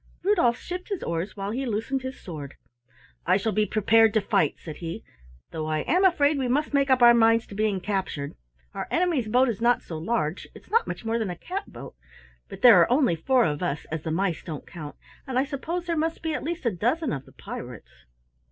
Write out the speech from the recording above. Rudolf shipped his oars while he loosened his sword. "I shall be prepared to fight," said he, "though I am afraid we must make up our minds to being captured. Our enemy's boat is not so large it's not much more than a catboat but there are only four of us, as the mice don't count, and I suppose there must be at least a dozen of the pirates."